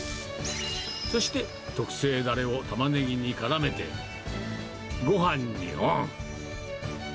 そして特製だれをタマネギにからめて、ごはんにオン。